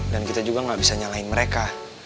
saya juga gak bisa nyalain mereka